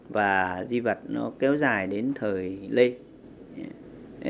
và di vật nó kéo dài đến thời lê